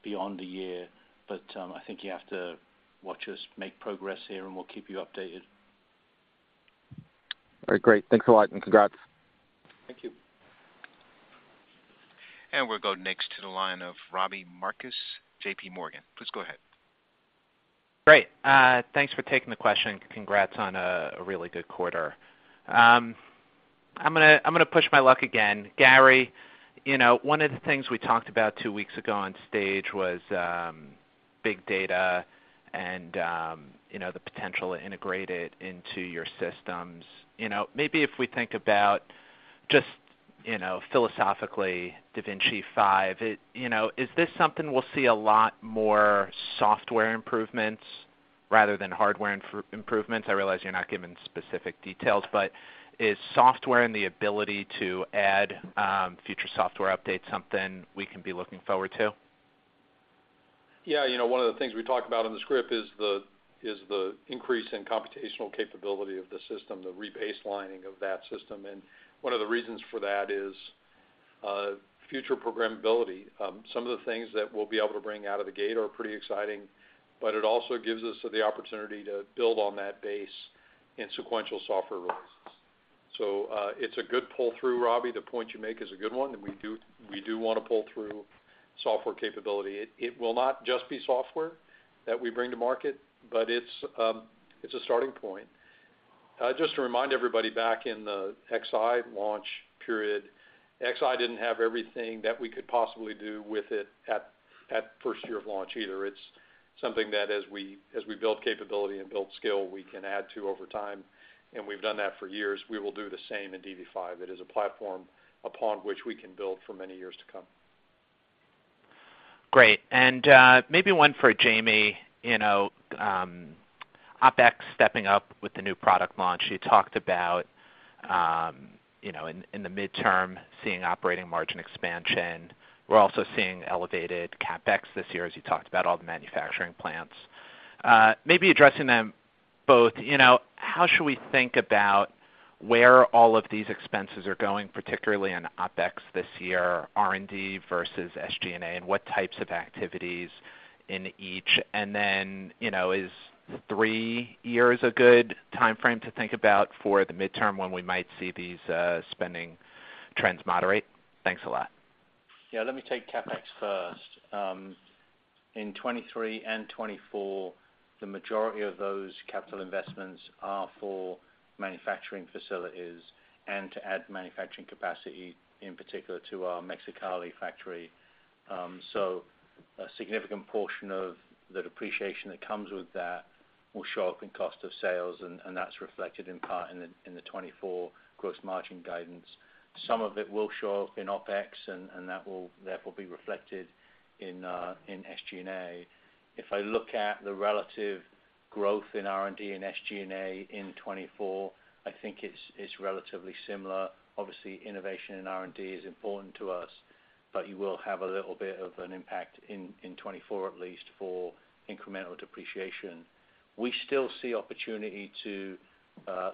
beyond a year, but I think you have to watch us make progress here, and we'll keep you updated. All right, great. Thanks a lot, and congrats. Thank you. We'll go next to the line of Robbie Marcus, JPMorgan. Please go ahead. Great. Thanks for taking the question, and congrats on a really good quarter. I'm going to push my luck again. Gary, you know, one of the things we talked about two weeks ago on stage was big data and, you know, the potential to integrate it into your systems. You know, maybe if we think about just, you know, philosophically, da Vinci 5, it, you know, is this something we'll see a lot more software improvements rather than hardware improvements? I realize you're not giving specific details, but is software and the ability to add future software updates something we can be looking forward to? Yeah, you know, one of the things we talked about in the script is the increase in computational capability of the system, the rebaselining of that system. And one of the reasons for that is future programmability. Some of the things that we'll be able to bring out of the gate are pretty exciting, but it also gives us the opportunity to build on that base in sequential software releases. So, it's a good pull-through, Robbie. The point you make is a good one, and we do, we do want to pull through software capability. It, it will not just be software that we bring to market, but it's a starting point. Just to remind everybody, back in the Xi launch period... Xi didn't have everything that we could possibly do with it at first year of launch either. It's something that as we build capability and build skill, we can add to over time, and we've done that for years. We will do the same in dV5. It is a platform upon which we can build for many years to come. Great. And, maybe one for Jamie. You know, OpEx stepping up with the new product launch. You talked about, you know, in the midterm, seeing operating margin expansion. We're also seeing elevated CapEx this year, as you talked about all the manufacturing plants. Maybe addressing them both, you know, how should we think about where all of these expenses are going, particularly on OpEx this year, R&D versus SG&A, and what types of activities in each? And then, you know, is three years a good timeframe to think about for the midterm when we might see these, spending trends moderate? Thanks a lot. Yeah, let me take CapEx first. In 2023 and 2024, the majority of those capital investments are for manufacturing facilities and to add manufacturing capacity, in particular, to our Mexicali factory. So a significant portion of the depreciation that comes with that will show up in cost of sales, and, and that's reflected in part in the, in the 2024 gross margin guidance. Some of it will show up in OpEx, and, and that will therefore be reflected in SG&A. If I look at the relative growth in R&D and SG&A in 2024, I think it's, it's relatively similar. Obviously, innovation in R&D is important to us, but you will have a little bit of an impact in, in 2024, at least for incremental depreciation. We still see opportunity to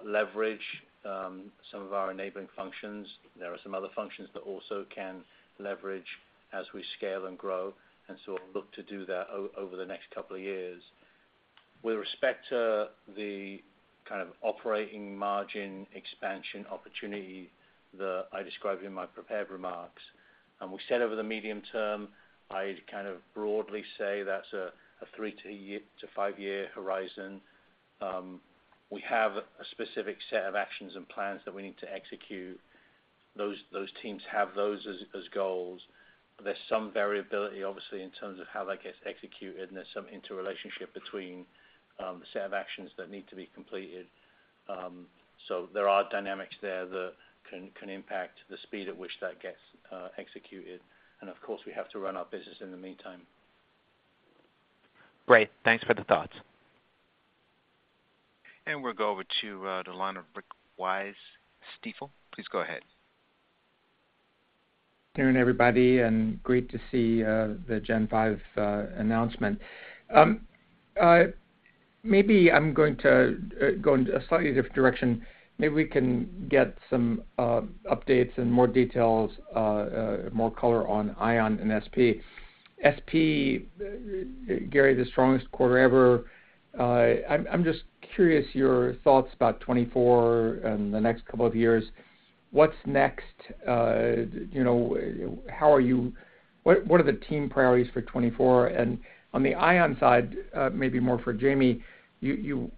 leverage some of our enabling functions. There are some other functions that also can leverage as we scale and grow, and so we'll look to do that over the next couple of years. With respect to the kind of operating margin expansion opportunity that I described in my prepared remarks, and we said over the medium term, I'd kind of broadly say that's a three to five-year horizon. We have a specific set of actions and plans that we need to execute. Those teams have those as goals. There's some variability, obviously, in terms of how that gets executed, and there's some interrelationship between the set of actions that need to be completed. So there are dynamics there that can impact the speed at which that gets executed. And of course, we have to run our business in the meantime. Great. Thanks for the thoughts. We'll go over to the line of Rick Wise, Stifel. Please go ahead. Good evening, everybody, and great to see the 5th-gen announcement. Maybe I'm going to go in a slightly different direction. Maybe we can get some updates and more details, more color on Ion and SP. SP, Gary, the strongest quarter ever. I'm just curious your thoughts about 2024 and the next couple of years. What's next? You know, how are you? What are the team priorities for 2024? And on the Ion side, maybe more for Jamie, you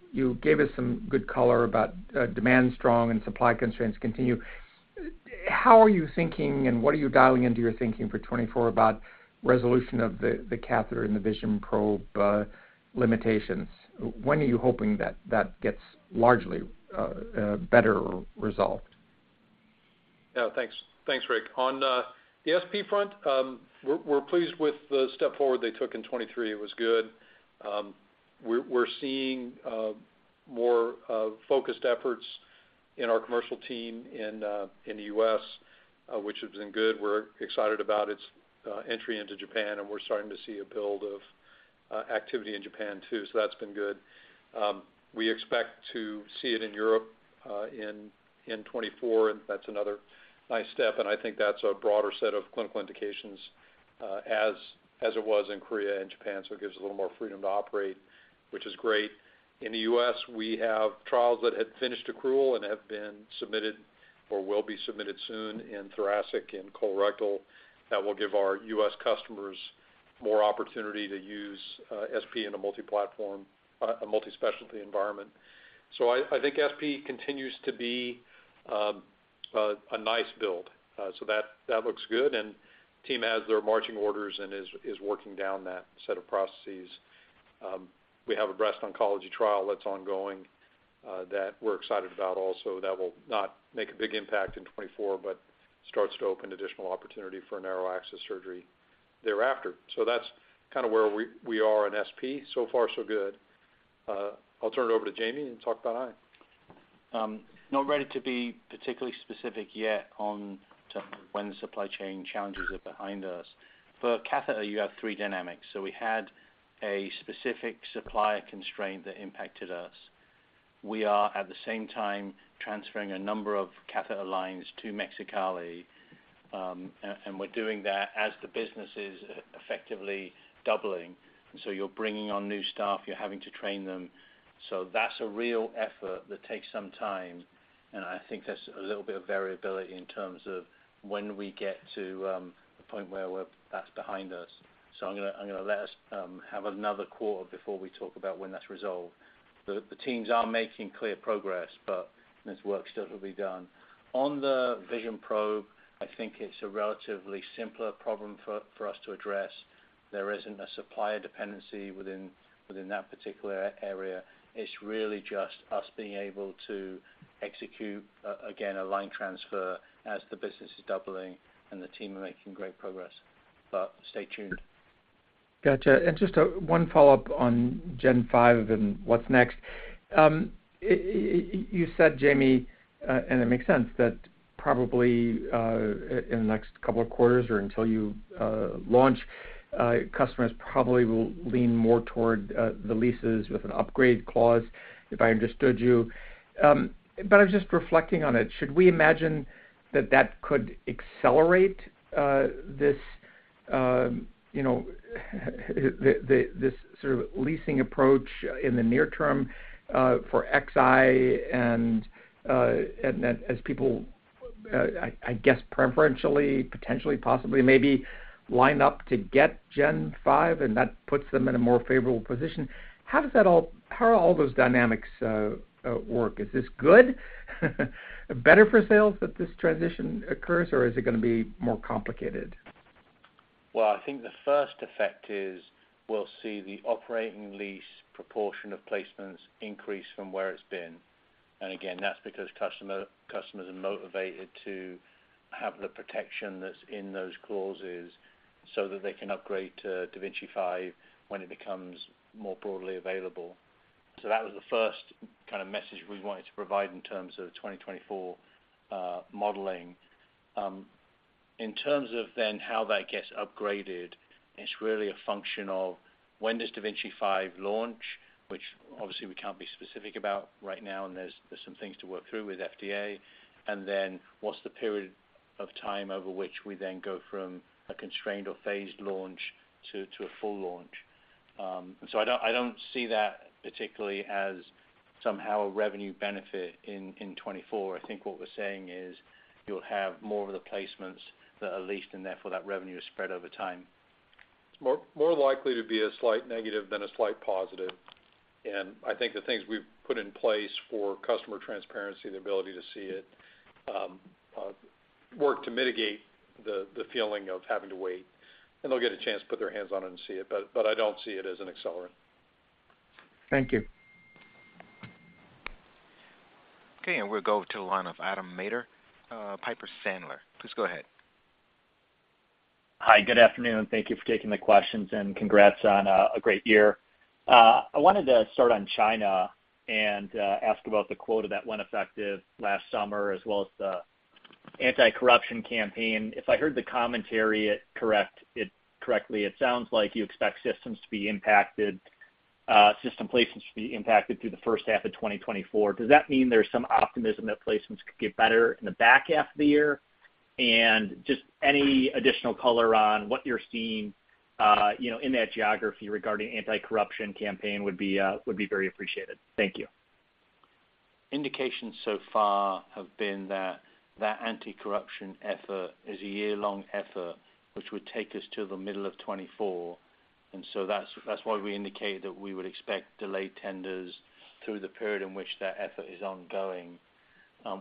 gave us some good color about demand strong and supply constraints continue. How are you thinking, and what are you dialing into your thinking for 2024 about resolution of the catheter and the vision probe limitations? When are you hoping that gets largely better resolved? Yeah, thanks. Thanks, Rick. On the SP front, we're pleased with the step forward they took in 2023. It was good. We're seeing more focused efforts in our commercial team in the U.S., which has been good. We're excited about its entry into Japan, and we're starting to see a build of activity in Japan, too, so that's been good. We expect to see it in Europe in 2024, and that's another nice step, and I think that's a broader set of clinical indications, as it was in Korea and Japan, so it gives a little more freedom to operate, which is great. In the U.S., we have trials that had finished accrual and have been submitted or will be submitted soon in thoracic and colorectal. That will give our U.S. customers more opportunity to use SP in a multi-platform, a multi-specialty environment. So I, I think SP continues to be a nice build. So that looks good, and team has their marching orders and is working down that set of processes. We have a breast oncology trial that's ongoing, that we're excited about also. That will not make a big impact in 2024, but starts to open additional opportunity for narrow axis surgery thereafter. So that's kind of where we are in SP. So far, so good. I'll turn it over to Jamie to talk about Ion. Not ready to be particularly specific yet on to when the supply chain challenges are behind us. For catheter, you have three dynamics, so we had a specific supplier constraint that impacted us. We are, at the same time, transferring a number of catheter lines to Mexicali, and we're doing that as the business is effectively doubling. So you're bringing on new staff, you're having to train them. So that's a real effort that takes some time, and I think there's a little bit of variability in terms of when we get to the point where we're- that's behind us. So I'm gonna, I'm gonna let us have another quarter before we talk about when that's resolved. The teams are making clear progress, and there's work still to be done. On the Vision Probe, I think it's a relatively simpler problem for us to address. There isn't a supplier dependency within that particular area. It's really just us being able to execute, again, a line transfer as the business is doubling and the team are making great progress. But stay tuned. Gotcha. And just one follow-up on 5th-gen and what's next. You said, Jamie, and it makes sense, that probably in the next couple of quarters or until you launch, customers probably will lean more toward the leases with an upgrade clause, if I understood you. But I was just reflecting on it. Should we imagine that that could accelerate this, you know, the this sort of leasing approach in the near term for XI and then as people, I guess, preferentially, potentially, possibly, maybe line up to get 5th-gen, and that puts them in a more favorable position? How does that all, how are all those dynamics work? Is this good? Better for sales that this transition occurs, or is it going to be more complicated? Well, I think the first effect is we'll see the operating lease proportion of placements increase from where it's been. And again, that's because customers are motivated to have the protection that's in those clauses so that they can upgrade to da Vinci 5 when it becomes more broadly available. So that was the first kind of message we wanted to provide in terms of 2024 modeling. In terms of then how that gets upgraded, it's really a function of when does da Vinci 5 launch, which obviously we can't be specific about right now, and there's some things to work through with FDA. And then what's the period of time over which we then go from a constrained or phased launch to a full launch? And so I don't see that particularly as somehow a revenue benefit in 2024. I think what we're saying is you'll have more of the placements that are leased, and therefore, that revenue is spread over time. More likely to be a slight negative than a slight positive. And I think the things we've put in place for customer transparency, the ability to see it, work to mitigate the feeling of having to wait, and they'll get a chance to put their hands on it and see it, but I don't see it as an accelerant. Thank you. Okay, and we'll go to the line of Adam Maeder, Piper Sandler. Please go ahead. Hi, good afternoon. Thank you for taking the questions, and congrats on a great year. I wanted to start on China and ask about the quota that went effective last summer, as well as the anti-corruption campaign. If I heard the commentary correctly, it sounds like you expect systems to be impacted, system placements to be impacted through the first half of 2024. Does that mean there's some optimism that placements could get better in the back half of the year? And just any additional color on what you're seeing, you know, in that geography regarding anti-corruption campaign would be very appreciated. Thank you. Indications so far have been that that anti-corruption effort is a year-long effort, which would take us to the middle of 2024. And so that's, that's why we indicated that we would expect delayed tenders through the period in which that effort is ongoing.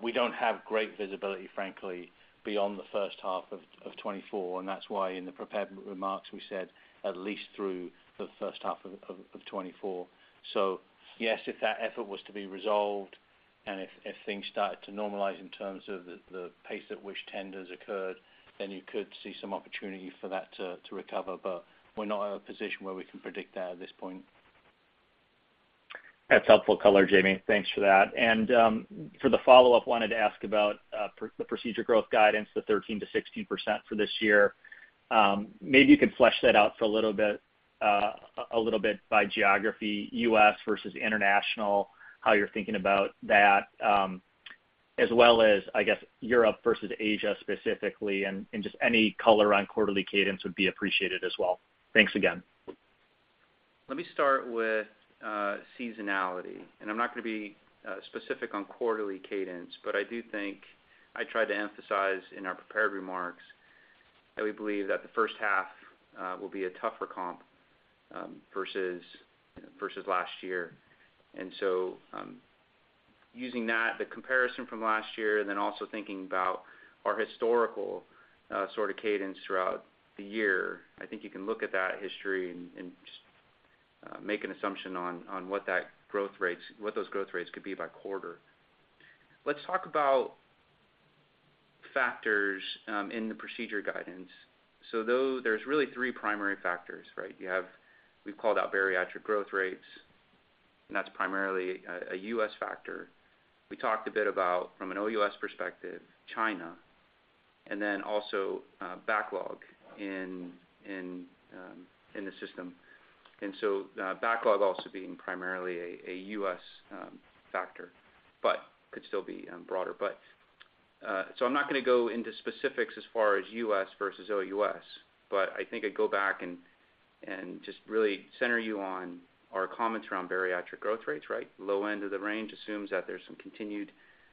We don't have great visibility, frankly, beyond the first half of 2024, and that's why in the prepared remarks, we said at least through the first half of 2024. So yes, if that effort was to be resolved, and if, if things started to normalize in terms of the, the pace at which tenders occurred, then you could see some opportunity for that to, to recover. But we're not in a position where we can predict that at this point. That's helpful color, Jamie. Thanks for that. And for the follow-up, wanted to ask about the procedure growth guidance, the 13%-16% for this year. Maybe you could flesh that out for a little bit, a little bit by geography, U.S. versus international, how you're thinking about that, as well as, I guess, Europe versus Asia, specifically, and just any color on quarterly cadence would be appreciated as well. Thanks again. Let me start with seasonality, and I'm not going to be specific on quarterly cadence, but I do think I tried to emphasize in our prepared remarks that we believe that the first half will be a tougher comp versus last year. And so, using that, the comparison from last year, and then also thinking about our historical sort of cadence throughout the year, I think you can look at that history and just make an assumption on what those growth rates could be by quarter. Let's talk about factors in the procedure guidance. So though there's really three primary factors, right? You have, we've called out bariatric growth rates, and that's primarily a U.S. factor. We talked a bit about from an OUS perspective, China, and then also, backlog in the system. And so, backlog also being primarily a U.S. factor, but could still be broader. But, so I'm not going to go into specifics as far as U.S. versus OUS, but I think I'd go back and just really center you on our comments around bariatric growth rates, right? Low end of the range assumes that there's some continued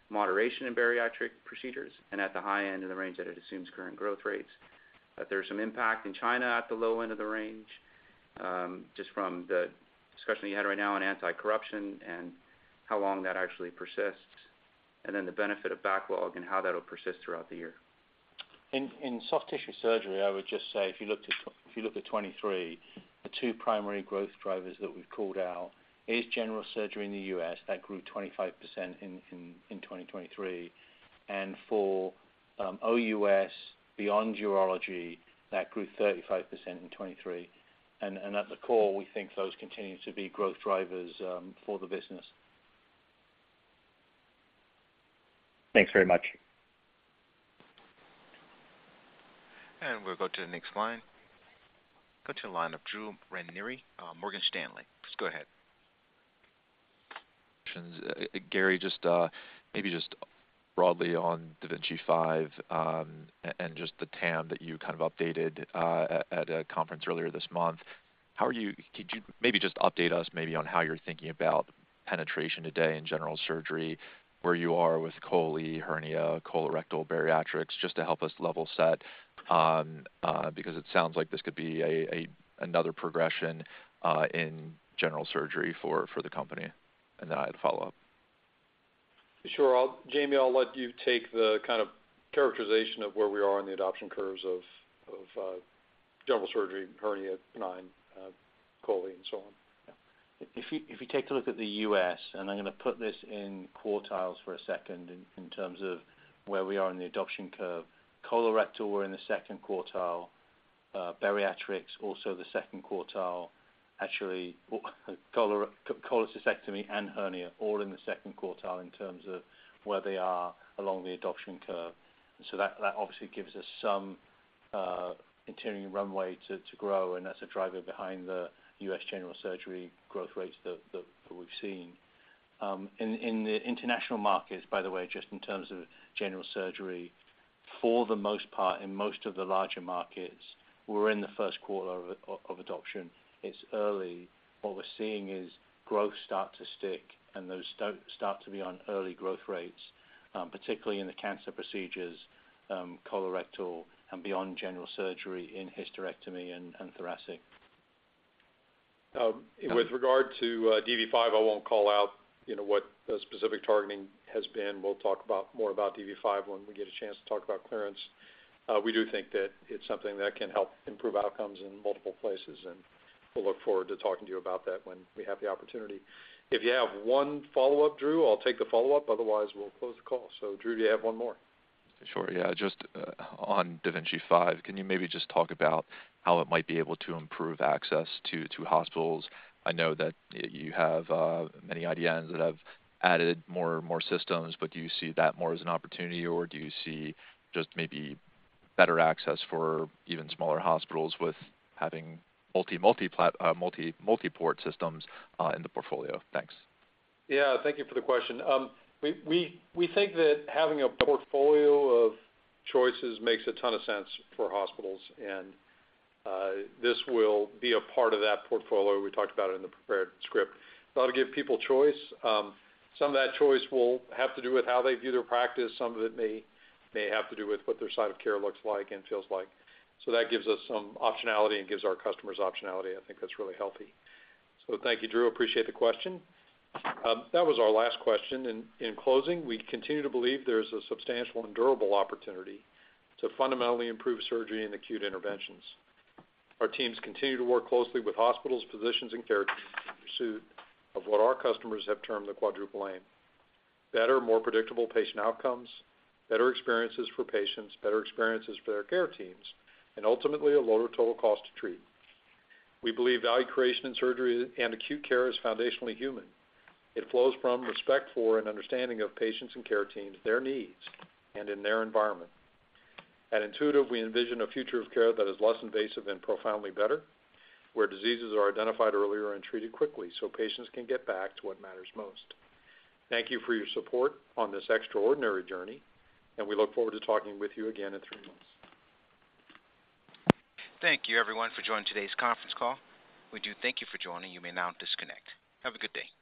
moderation in bariatric procedures, and at the high end of the range, that it assumes current growth rates. That there's some impact in China at the low end of the range... just from the discussion you had right now on anti-corruption and how long that actually persists, and then the benefit of backlog and how that'll persist throughout the year. In soft tissue surgery, I would just say, if you looked at, if you look at 2023, the two primary growth drivers that we've called out is general surgery in the U.S. That grew 25% in 2023, and for OUS beyond urology, that grew 35% in 2023. And at the core, we think those continue to be growth drivers for the business. Thanks very much. We'll go to the next line. Go to the line of Drew Ranieri, Morgan Stanley. Please go ahead. Gary, just maybe broadly on da Vinci 5, and just the TAM that you kind of updated at a conference earlier this month. Could you maybe update us on how you're thinking about penetration today in general surgery, where you are with chole, hernia, colorectal, bariatrics, just to help us level set on, because it sounds like this could be another progression in general surgery for the company. And then I had a follow-up. Sure. I'll... Jamie, I'll let you take the kind of characterization of where we are in the adoption curves of, of, general surgery, hernia, benign, col and so on. If you take a look at the U.S., and I'm going to put this in quartiles for a second in terms of where we are in the adoption curve. Colorectal, we're in the second quartile. Bariatrics, also the second quartile. Actually, cholecystectomy and hernia, all in the second quartile in terms of where they are along the adoption curve. So that obviously gives us some continuing runway to grow, and that's a driver behind the U.S. general surgery growth rates that we've seen. In the international markets, by the way, just in terms of general surgery, for the most part, in most of the larger markets, we're in the first quarter of adoption. It's early. What we're seeing is growth start to stick, and those start to be on early growth rates, particularly in the cancer procedures, colorectal and beyond general surgery in hysterectomy and, and thoracic. With regard to dV5, I won't call out, you know, what the specific targeting has been. We'll talk about more about dV5 when we get a chance to talk about clearance. We do think that it's something that can help improve outcomes in multiple places, and we'll look forward to talking to you about that when we have the opportunity. If you have one follow-up, Drew, I'll take the follow-up. Otherwise, we'll close the call. So Drew, do you have one more? Sure. Yeah, just on da Vinci 5, can you maybe just talk about how it might be able to improve access to hospitals? I know that you have many IDNs that have added more systems, but do you see that more as an opportunity, or do you see just maybe better access for even smaller hospitals with having multi-port systems in the portfolio? Thanks. Yeah, thank you for the question. We think that having a portfolio of choices makes a ton of sense for hospitals, and this will be a part of that portfolio. We talked about it in the prepared script. That'll give people choice. Some of that choice will have to do with how they view their practice. Some of it may have to do with what their site of care looks like and feels like. So that gives us some optionality and gives our customers optionality. I think that's really healthy. So thank you, Drew. Appreciate the question. That was our last question, and in closing, we continue to believe there's a substantial and durable opportunity to fundamentally improve surgery and acute interventions. Our teams continue to work closely with hospitals, physicians and care teams in pursuit of what our customers have termed the Quadruple Aim: better, more predictable patient outcomes, better experiences for patients, better experiences for their care teams, and ultimately, a lower total cost to treat. We believe value creation in surgery and acute care is foundationally human. It flows from respect for and understanding of patients and care teams, their needs, and in their environment. At Intuitive, we envision a future of care that is less invasive and profoundly better, where diseases are identified earlier and treated quickly, so patients can get back to what matters most. Thank you for your support on this extraordinary journey, and we look forward to talking with you again in three months. Thank you, everyone, for joining today's conference call. We do thank you for joining. You may now disconnect. Have a good day.